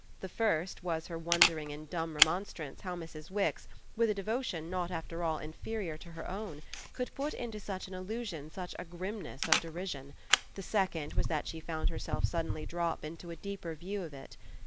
The first was her wondering in dumb remonstrance how Mrs. Wix, with a devotion not after all inferior to her own, could put into such an allusion such a grimness of derision; the second was that she found herself suddenly drop into a deeper view of it.